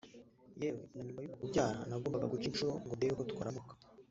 yewe na nyuma yo kubyara nagombaga guca incuro ngo ndebe ko twaramuka